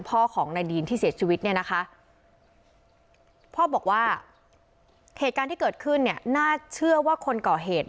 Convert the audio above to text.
พ่อของนายดีนที่เสียชีวิตเนี่ยนะคะพ่อบอกว่าเหตุการณ์ที่เกิดขึ้นเนี่ยน่าเชื่อว่าคนก่อเหตุ